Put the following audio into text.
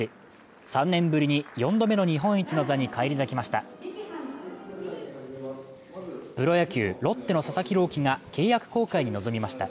３年ぶりに４度目の日本一の座に返り咲きました。